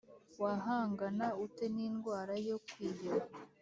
Wahangana ute n indwara yo kwiheba